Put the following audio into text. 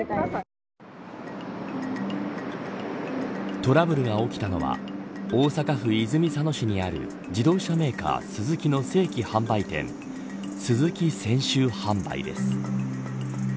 トラブルが起きたのは大阪府泉佐野市にある自動車メーカー、スズキの正規販売店スズキ泉州販売です。